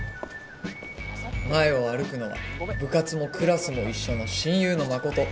前を歩くのは部活もクラスも一緒の親友のマコト。